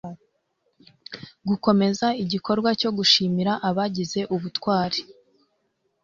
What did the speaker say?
gukomeza igikorwa cyo gushimira abagize ubutwari